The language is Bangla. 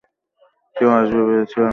কেউ আসবে ভেবেছিলে নাকি?